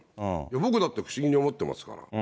僕だって不思議に思ってますから。